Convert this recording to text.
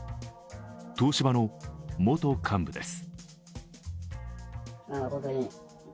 東芝の元幹部です。